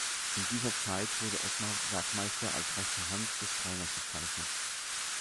In dieser Zeit wurde Ottmar Werkmeister als rechte Hand des Trainers bezeichnet.